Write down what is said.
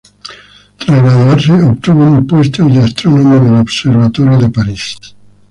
Tras graduarse obtuvo un puesto de astrónomo en el observatorio de París.